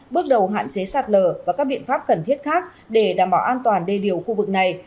bước đầu hạn chế sạt lở và các biện pháp cần thiết khác để đảm bảo an toàn đê điều khu vực này